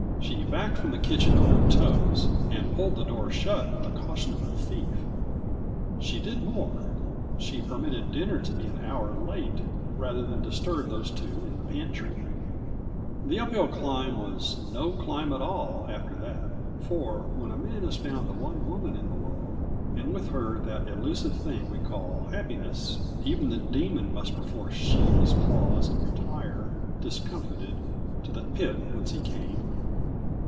She backed from the kitchen on her toes, and pulled the door shut with the caution of a thief. She did more; she permitted dinner to be an hour late, rather than disturb those two in the pantry. The uphill climb was no climb at all, after that. For when a man has found the one woman in the world, and with her that elusive thing we call happiness, even the demon must perforce sheathe his claws and retire, discomfited, to the pit whence he came.